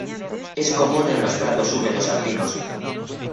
Es común en los prados húmedos alpinos.